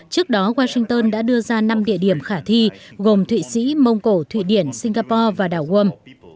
trước đó washington đã đưa ra năm địa điểm khả thi gồm thụy sĩ mông cổ thụy điển singapore và đảo wom